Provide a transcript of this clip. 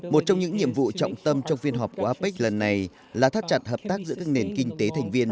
một trong những nhiệm vụ trọng tâm trong phiên họp của apec lần này là thắt chặt hợp tác giữa các nền kinh tế thành viên